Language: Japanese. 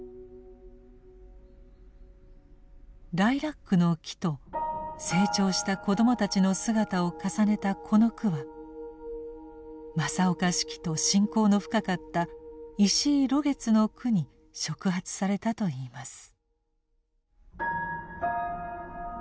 ライラックの木と成長した子どもたちの姿を重ねたこの句は正岡子規と親交の深かった石井露月の句に触発されたといいます。